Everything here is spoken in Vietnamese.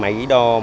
máy lọc không khí